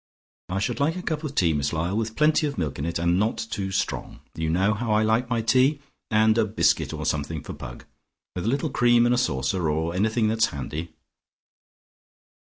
I should like a cup of tea, Miss Lyall, with plenty of milk in it, and not too strong. You know how I like my tea. And a biscuit or something for Pug, with a little cream in a saucer or anything that's handy."